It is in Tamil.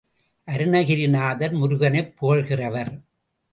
அருணிகிரிநாதர் முருகனைப் புகழ்கிறவர்.